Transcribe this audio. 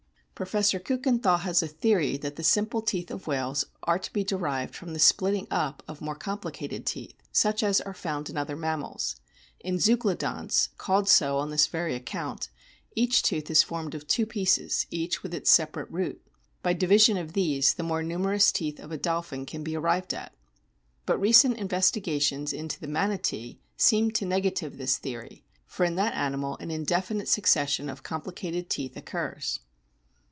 Professor Kukenthal has a theory that the simple teeth of whales are to be derived from the splitting up of more complicated teeth, such as are found in other mammals. In Zeuglodonts (called so on this very account) each tooth is formed of two pieces, each with its separate root. By division of these the more numerous teeth of a dolphin can be arrived at. But recent investigations into the Manatee seem SOME INTERNAL STRUCTURES 75 to negative this theory, for in that animal an indefinite succession of complicated teeth occurs.